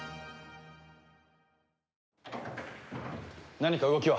何か動きは？